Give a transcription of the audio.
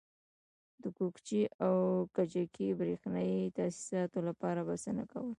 د کوکچې او کجکي برېښنایي تاسیساتو لپاره بسنه کوله.